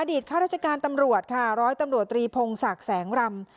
ข้าราชการตำรวจค่ะร้อยตำรวจตรีพงศักดิ์แสงรำ